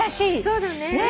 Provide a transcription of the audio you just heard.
そうだね。